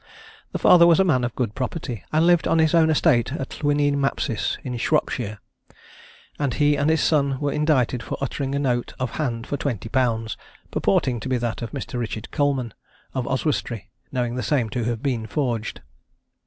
The father was a man of good property, and lived on his own estate at Llwyney Mapsis, in Shropshire; and he and his son were indicted for uttering a note of hand for twenty pounds, purporting to be that of Mr. Richard Coleman of Oswestry, knowing the same to have been forged.